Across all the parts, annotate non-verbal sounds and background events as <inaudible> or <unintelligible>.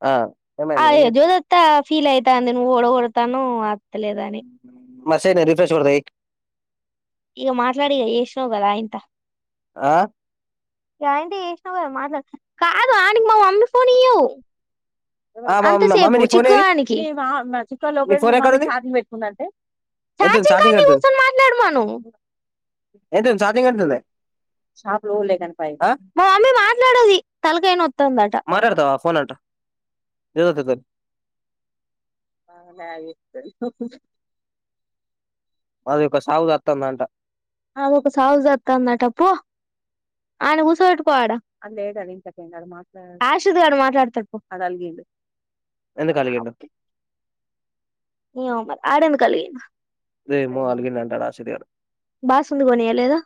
ఆ ఏమైంది ఏం ఆగే చేత్తవ్ జోదత్త ఫీల్ అయితాంది నువ్ ఓడ ఓడతనూ మెసేలే రీఫ్రెస్ గొడ్ రైట్ ఇగ మాట్లాడిగా ఎసినవ్ గద అయంత ఆ గయనకే జేసినవ్ గద మాట్లాడు కాదు ఆనికి మా మమ్మీ ఫోన్ ఇయ్యి ఆ మ మమ్మీ అంతసేపు నీ ఫోన్ ఏది చిక్కానికి మీ మామ చిక్కాలో పోయాడు మమ్మీ చార్జింగ్ పెట్టుకుందంటే ఎంత ఉంది ఛార్జింగ్ చార్జిగ్ కాన్నే ఎంత ఉంది కూర్చొని మాట్లాడమను ఎంత ఉంది చార్జిగ్ ఎంత ఉందే షాపు లోలే కని పయ్ మా మమ్మీ మాట్లాడది తల మాట్లతావ ఫోన్ అంట జోతత్త తోని ఆగు ఇత్తను అది ఒక సావు సత్తందంట ఆమె ఒక సావు సత్తాంది అట పో ఆయన కూసోవెట్టుకో అది లేదు అది ఇంట్లోకి పోయింది అది మాట్లడ ఆషు గాడు మాట్లాడతాడు పో ఆడు అలిగిడు ఎందుకు అలిగిండు. ఏమో మరి ఆడేందుకు అలిగిండు ఏమో అలిగిండు అంట ఆసిద్ద్ గాడు బాస్ ఉంది గొనీయలేదా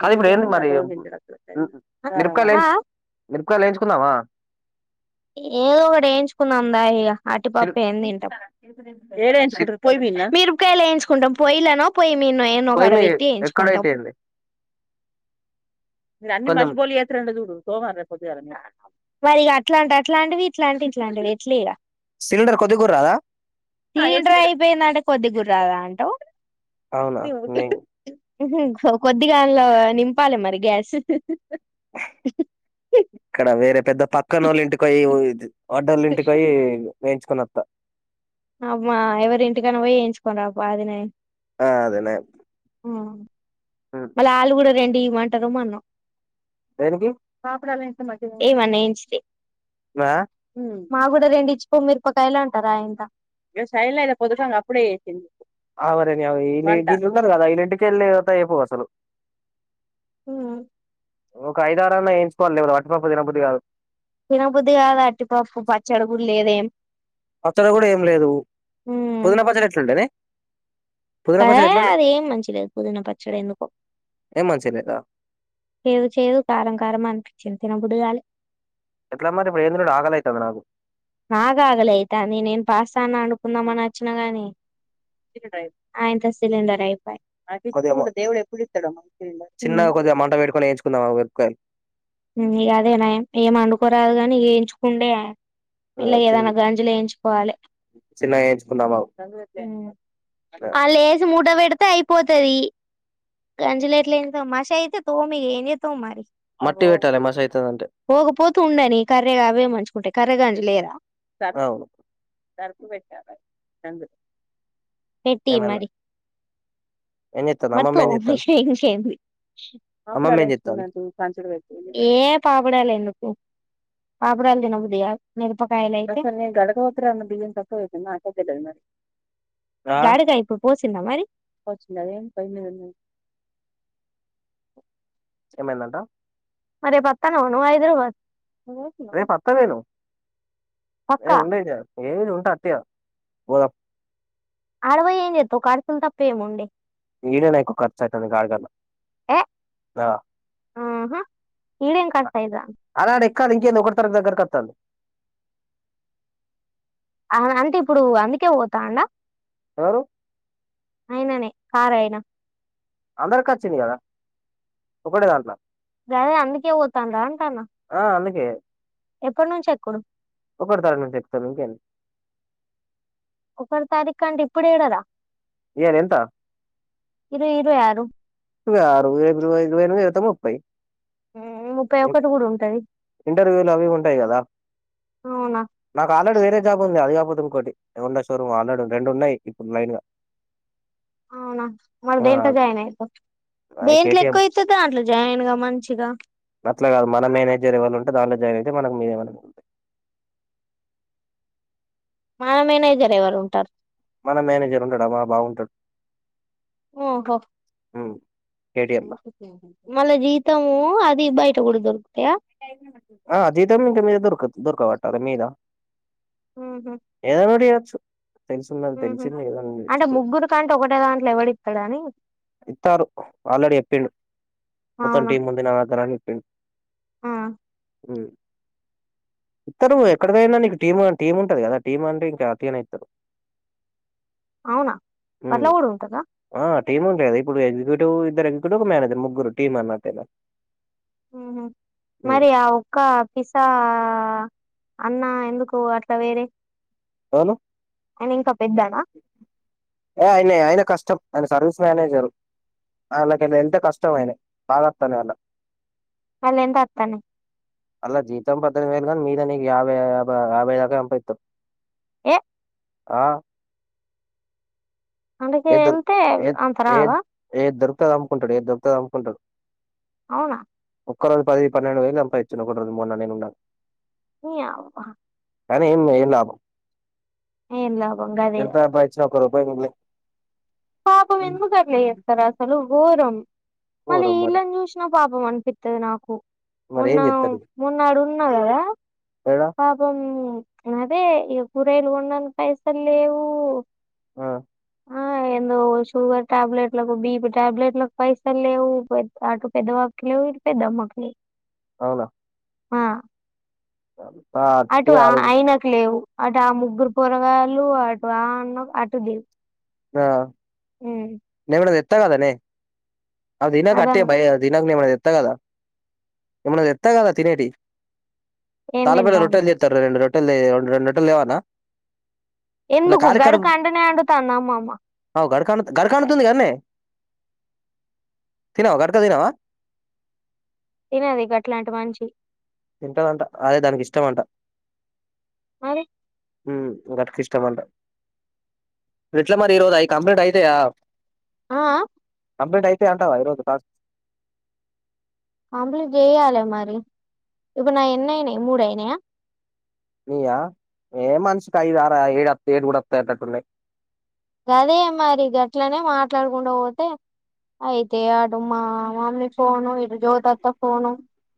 కాదు ఇప్పుడు ఎందుకని ఏంది ఆ మరి తొల్ తీయించాడు అక్కడికైన వారం వారం ఆ ఆ మీరపకాయలు ఎంచుకున్నావ ఏదో ఒకటి ఎయించుకుందం దా ఇగ సిల్ అటిపప్ప ఏం తింటాం ఏమ్ సిల్- ఏంచుకుంటారు పొయ్యి మీదన నేను పొయ్యి ఒకడ మీ పెట్టి ఏయించుకుంటాం ఎక్కడైతే ఏంది మీరు అన్ని కొంచెం మషబోలి ఏతరంట జూడు మరి ఇగ అట్లాంటె అట్లాంటివి ఇట్లాంటే ఇట్లాంటివి ఎట్లిగ సిలిండర్ కొద్దిగూడ రాదా సిలిండ్రు అయిపోయిందంటే కొద్దిగూడ రాదా అంటావ్ అవునా నేన్ ఊహు కొద్దిగ దాండ్లో నింపాలి మరి గ్యాస్ ఇక్కడ వేరే పెద్ద పక్కనోళ్ళ ఇంటికివయ్ వడ్డొల్లింటికి పొయ్ వేయించుకొనత్త అబ్బా ఎవరి ఇంటికనా పోయిఏంచుకోని రాపో అది నయ్ ఆ అదినయమ్ మళ్ళీ ఆళ్ళు గూడా రెండి ఈవ్వమంటారు మన్నొ దేనికి ఏ మన్నా ఏంచితె మా మా కూడా రెండు ఇచ్చిపో మిరపకాయలు అంటారు ఆయంత ఆ మరి నావి గిళ్ళు వున్నారు గదా వీళ్ళింటికి <unintelligible> అయిపోవు అసలు ఉ ఒక ఐదారన్న ఎంచుకోల్ల లేకపోతే వట్టి పప్పు తినబుద్ధి కాదు తినబుద్ది కాదా అట్టిపప్పు పచ్చడిగుడ లేదేమ్ పచ్చడి గూడా ఏం లేదు పుదీనా పచ్చడి ఎట్లుండదె పా అదేం మంచిలేదు పుదీనా పచ్చడి ఎందుకో ఏం మంచిగా లేదా చేదు చేదు కారం కారం అనిపిచ్చింది తినబుద్ది గాల ఎట్లా మరి ఇప్పుడు ఏందినల్ల ఆకలైతాంది నాకు నాకు ఆకలైతాంది నేను పాస్తా అన్న అండుకుందాం అని వచ్చిన గాని ఆఇంట్లో సిలండర్ అయ్ పాయ్ కొద్దిగా మ- చిన్నగా కొద్దిగామంట వెట్టుకొని ఎంచుకుందామా మిరపకాయల్ ఇంగ అదే నయం ఏం వండుకోరాదు గాని ఏంచుకుండే ఆ, పెల్ల చిన్న అయ్యేదాన గాంజులు ఏయించుకోవాలె చిన్నగా వేయించుకుందాం ఆగు ఆ, ఆల్లేసి మూట వే పెడితే అయిపోతది గంజులు ఎట్ల ఏంచుతావ్ మషి అయితే తోమేయ్ ఏంజేత్తవ్ మరి మట్టి పెట్టాలి మస్తు అయితది అంటే పోగపోతూ ఉండని కర్రిగా అవే మంచుకుంటాయి కర్రెగాంజి లేదా అవ్ పెట్టి ఏమైంది మరి ఏం చేత్తాంది మరి అమ్మమ్మ ఏం చేత్తాంది తోమేషేయ్ ఇంకేంది అమ్మమ్మ ఏం చేత్తాంది ఏ పాపడాలెందుకు పాపుడాలు తినబుద్ది గాద్ మిరపకాయలైతే ఆ డాడి కా ఇప్పుడు పోసి తిన్న మరి ఏమైందంటా మరి రేపొత్తన్నవ నువ్వు హైదరాబాద్ రేపత్త నేను ఏ పక్కా ఉండిగ ఏమి నేనుంటా అంటి గదా పోదాం ఆడవోయ్ ఏం జేత్తొవ్ కార్సిన తప్పేముంది ఈడేనకి ఎక్కువ ఖర్చు అయితది గాడి కన్న ఏ ఆహా ఈడేం కర్చ్ అయిద కాదు ఇంకేంది ఒకటో తారీకు దగ్గరకొత్తాంది అ అంటే ఇప్పుడు అందుకే పోతాండా ఎవరు అయిననే కారయనా అందరికి వచ్చింది గదా ఒకటే దాంట్లో జాగ అందుకే పోతాండా అంటన్న ఆ ఎప్పటి నుంచి ఎక్కుడు ఒకటో తారీకు నుంచి ఎక్కుతా ఇంకేమి ఒక్కటో తారీఖంటే ఇప్పుడు కదా ఇవాళ ఎంత ఇరు ఇరు ఆరు <unintelligible> ముప్పై ఒకటి కూడా ఉంటది ఇంటర్వ్యూలు అవి ఉంటాయి కదా అవునా నాకు ఆల్రెడీ వేరే జాబ్ ఉంది అది జాబ్ పుతుంకోటి హోండా షోరూమ్ ఆల్రెడీ రెండు ఉన్నాయి ఇప్పుడు లైన్గా అవునా మరి దేంతో జాయినయి దేంట్లో కేటీఎం ఎక్కువ అయితే దాంట్లో జాయి న్ గా మంచిగా అట్లా కాదు మన మేనేజర్ ఎవరు ఉంటే దానిలో జాయిన్ అయితే మనకు మీదనకు మన మేనేజర్ ఎవరు ఉంటారు మన మేనేజర్ ఉండడా మా బాగుంటాడు ఓహో కేటీఎం మల జీతము అది బయ ట కూడా దొరుకుతయా ఆ జీతము <unintelligible> దుర్క పడతావా మీద ఏమని ఏడ్చ ఉహూ అంటే చేయొచ్చు ముగ్గురికంటే ఒకటే దాంట్లో ఎవడి ఇస్తాడ అని ఇత్తారు ఆల్రెడీ ఎప్పిడు మొత్తం టీం ముంది నాదగ్గరా అని చెప్పిండు ఉమ్ ఉ ఇత్త రు ఎక్కడికైనా నీకు టీమ్ టీమ్ ఉంటంది కదా టీమ్ అంటే ఇంకా టీ అ ఇస్తారు అవునా అట్ల కూడ ఉంటాదా టీమ్ ఉంట కా ఇప్పుడు ఎగ్జిక్యూటివ్ ఇద్దరు ఎగ్జిక్యూటివ్ మేనేజర్ ముగ్గురు టీమ్ అన్న కదా ఉహూ మరి ఆ ఒక్క పిసా అన్నా ఎందుకు అట్లా వేరే అనునే ఆయన ఇంకా పెద్దానా అయనే కాష్ట ఆయన సర్వీస్ మేనేజర్ వాళ్ళకి ఎంత కష్టం ఆయన బాధ ఎత్తం అలా వాళ్ళంతా అట్లనే వేగా మీదా న యాబై యాభై అంపిత్తరు ఏ ఆ అందుకే ఏ ద వెళ్తే అంత ఏ రావా ఏ దొరుకుదో అమ్ముకుంటాడు ఏది దొరుకుతది అమ్ముకుంటాడు అవునా ఒక్కరోజు పది పన్నెండు వేలు సంపయిచ్చును ఒక రోజు మొన్న నే ఉన్నా నీ అవ్వ కానీ ఏం ఏం లాభం ఏం లాభం గదే ఎంత సంపాదించిన ఒక రూపాయ కూడా ఇయ్యా పాపం ఎందుకట్లా చేస్తారు అసలు ఘోరం మళ్ళీ ఘోరం మరి ఇళ్ళని చూసినా పాపం అంట <unintelligible> నాకు మరి మొన్న ఏం చెత్తరు ఇది మొన్నా డున్నా కదా ఏడా పాపం అదే ఎక్కువ రోజులు ఉండను పైసల్లేవు ఆ షుగర్ టాబ్లేెట్ లకు బిపి టాబ్లేట్లకు పైసల్లేవు అటు పెద్దపాపకి లేవు <inaudible> అవునా ఆ ఆ అటు అట్టిగా అది ఆయనకు లేవు. అటు ఆ ముగ్గురు పొరగాయలు అటున్న అటుదివు. ఆ నేను కూడా తెత్ కదానే. <unintelligible> అదం తెత్త కదా ఏమనది పెద్ద కదా తినేటి. ఏం తాలాపేడ తింటాను రొటెలు చెస్తారు రెండు రొట్టెలు రెండు రొట్టెలు తేవాలా నా. ఎందుకు గడుక ఉండనే వండుతోంది అమ్మమ్మ. గడకా గడక వండుతుంది కదనే. తిన్నావా గడక తిన్నావా. తినది గట్లాంటి మనిషి. తింటదంట అదే దానికి ఇష్టం అంట, మరి హ్మ్. గట క ఇష్టంమంట, ఎట్లా మరి ఈరోజు అయ్యి కంప్లీంట్ అయితాయా. ఆ, ఆ. కంప్లీంట్ అయితే అంటావా ఇరోజ టాస్క్. కంప్లీట్ చెయ్యాలి మరి, ఇప్పుడు నా ఎన్నయినాయి మూడయినాయా. నియా, ఏ మనషకి ఐదుర, ఆరు ఏడుస్త ఏడుగుడస్త అటట్టున్నాయి. గదే మరి గట్లనే మాట్లాడకుండా పోతే. అయితే అటు మా మమ్మీ ఫోను ఇడు జ్యోతత్త ఫోను.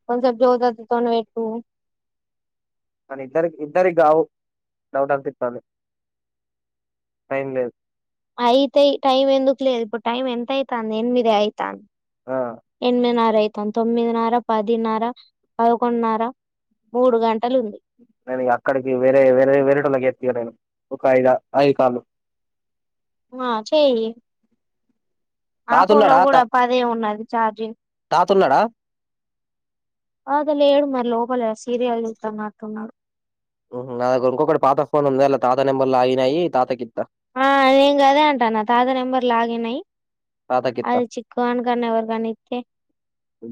కొద్దిసేపు జ్యోతి అత్త తోటి పెట్టు. కానీ ఇద్దరి ఇద్దరి కావు డౌట్ అనిపితాది. టైం లేదు. అయితేయి టైమ్ ఎందుకు లేదు ఇప్పుడు టైమ్ ఎంత అయితా అంది ఎనమిదే అయితాంది. ఆ ఏనామిది నర. తొమ్మిది నర పదినర పదకొంన్నర, మూడు గంట. నేను అక్కడికి వేరే వేరే వేరే టోళ్లకు చేస్తా నేను. ఒక ఐద ఐదు కాళ్లు. మా చేయి. ఆ తాత ఫోన్ లో ఉన్నాడా కూడా తా పదే ఉన్నది చార్జింగ్. <unintelligible> అతను లేడు మరి లోపలే సీరియలు సుస్తానట్టున్నాడు. నా దగ్గర ఇంకొకటి పాత ఫోన్ ఉంది అలా తాత నెంబర్ లో లాగిన్ అయినయి తాతకిత. ఆ నేను కదే అంటా నా తాత నెంబర్ లాగిన్ అయ్యి. తాతకి ఇత్తా అది చిక్కుగానికి ఎవరు కన్నా ఇతే.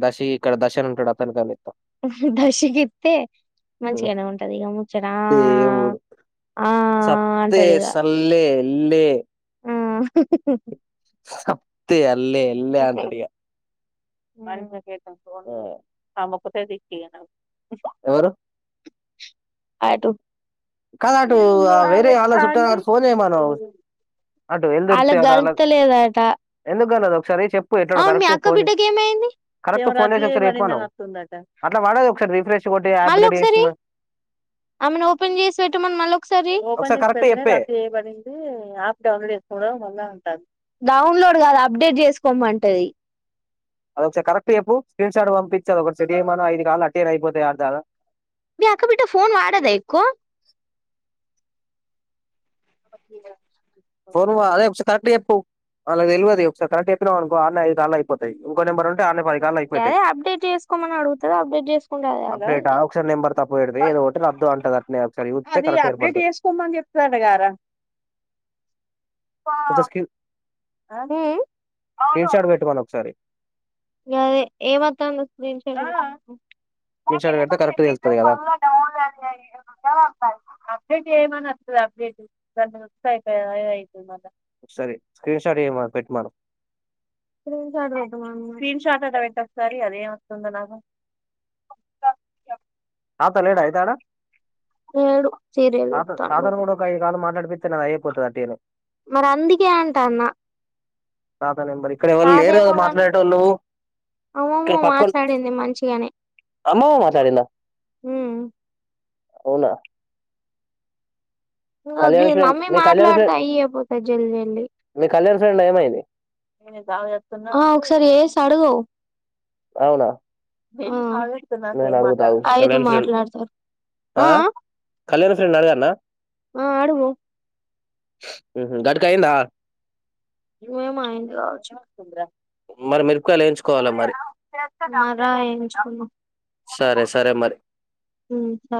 దశి ఇక్కడ దశ అని ఉంటాడు అతనికని ఇత్తా <unintelligible> మంచిగా నే ఉంటది ఇగా ముచ్చట ఆ ఆ ఆ. సత్తె అంటాడు సర్లే, లే. ఆ సప్త అల్లే అల్లే అంటడిగా. <unintelligible> ఎవరు. ఆటో. కాదు అటు ఆ వేరే ఆళ్ళ చుట్టాలు అటు ఫోన్ చేయమనవు <unintelligible> అటు ఎల్దుర్తి వాళ్లకు అటు ఆళ్ళ గలత లేదట. ఎందుకు కాలేదు ఒకసారి చెప్పు ఎట్లనో అవును మీ కరెక్ట్ అక్క ఫోన్ బిడ్డకి ఏమైంది. ఏం కరెక్ట్ ఫోన్ రద్దీ చేసి ఒకసారి చెప్పమనవు పడిందస్తుందట, అట్లా పడదు ఒకసారి రిఫ్రెష్ కొట్టి యాప్ డిలీట్ చేసి మల్లొకసారి మ చెయ్. ఓపెన్ చేసి. ఓపెన్ చేసి పెట్టమనుమళ్ళ ఒకసారి, ఓపెన్ ఒకసారి చేసి కరెక్ట్ పెడితేనే చెప్పే రద్దీ చేయబడింది యాప్ డౌన్లోడ్ చేసుకోవడం మళ్ళ అంటాది. డౌన్లోడ్ కాదు అప్డేట్ చేసుకోమమంటది. అదొక్కటి కరెక్ట్ చెప్పు స్క్రీన్ షార్ట్ పంపించు అదొక్కటి సెట్ చేయమని ఐదు కాలు ఉంటేనే అయిపోతాయి అందాదా. మీ అక్క బిడ్డఫోన్ వాడదా ఎక్కువ. ఫోన్ అదే ఒకసారి కరెక్ట్ చెప్పు అ తెలియదు ఒకసారి కరెక్ట్ చెప్పినా అకో ఆదుళ్ అయిపోతాయి నెంబర్ ఉంటే ఆన్ని పది కాలు అయిపోతాయి అదే అప్డేట్ చేసుకోమని అడుగుతది అప్డేట్ చేసుకుంటే అదే అప్డేట్సన్ నెంబర్ తప్పు ఏదో ఒకటి రద్దు అంటది అట్ ఒకారి ఊతే కరెక్ట్ ఏర్పడుదు స్ వత్తది తన్ చార్ట్ వేట్ మని ఒకసారి అ ఏమత్ర అందీన్ష స్క్రీన్ షాట్ ఏమ పెడితే కరెక్ట్ చె తెలుస్తది కదా డౌన్ అడే ఏమ అబ్ ఉసాతయితే మద <unintelligible> సర స్క్రీన్షాట్ ఏ పెట్ మ గ్రీన్ షార్ గ్రీన్ షార్ట్ అ పెట్ ఒకసారి అదే వస్తుతుంద నాక ఆ తలటయితాడా ఏడు సీరియల్ తాత చూస్తాను తాతను కూడా ఒక ఈ కాదుం మాట్లాడిపితే నది అయిపోతుంది అ టేనే మరి అందుకే అంట అన్న ప్రధానం మరి ఇక్కడ ఎవరుు లేరు గాని మాట్లాడే వాళ్ళువు అమ్మమ్మ డ పక్కం మాట్లాడింది అమ్మ మాట్లాడిందా హ అవునా కళ్యాణ్ ఇం ఫ్రెండ్ మమ్మీ మీ కళ్యాణ్ మాట్లాడుత ఫ్రెండ్ అయపోతా జల్జంలి మీ కళ్యాణ్ ఫ్రెండ్ ఏమైంది ఒకసారి ఏసి అడుగ అవునా నా నేను అడుగుతా ఆగు అఐదు కళ్యాణ్ ఫ్రెండ్ మాట్లాడతారు ఆ కళ్యాణ్ ఫ్రెండ్ అడగన్నా ఆ అడువ గట్కాందా ూఎయిందింద మరి మరు కలించుకోవాల మరి మరా ఎంచుకున్నాం సరే సరే మరి అ స